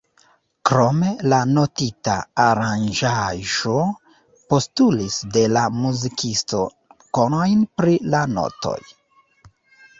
Krome la notita aranĝaĵo postulis de la muzikisto konojn pri la notoj.